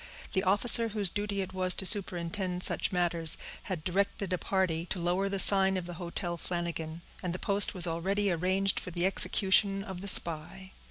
The officer whose duty it was to superintend such matters, had directed a party to lower the sign of the Hotel Flanagan, and the post was already arranged for the execution of the spy.